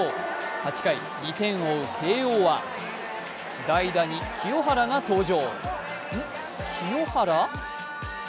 ８回、２点を追う慶応は代打に清原が登場。